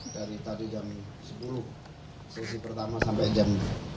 dari tadi jam sepuluh sesi pertama sampai jam dua